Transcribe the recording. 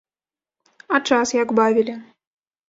А час як бавілі?